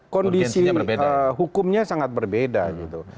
kondisi hukumnya sangat berbeda gitu